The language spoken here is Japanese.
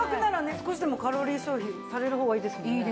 少しでもカロリー消費される方がいいですもんね。